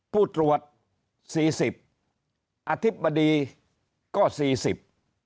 ผู้ตรวจสี่สิบอธิบดีก็สี่สิบ